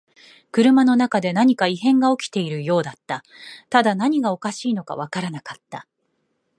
車の中で何か異変が起きているようだった。ただ何がおかしいのかわからなかった。